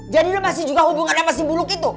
jadi lu masih juga hubungannya sama si buluk itu